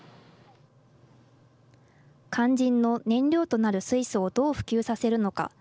肝心の燃料となる水素をどう普及させるのか。